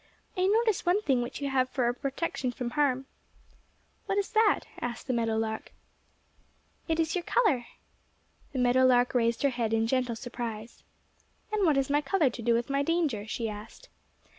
"I notice one thing which you have for a protection from harm." "What is that?" asked the meadow lark. "It is your colour." The meadow lark raised her head in gentle surprise. "And what has my colour to do with my danger?" she asked.